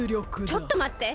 ちょっとまって！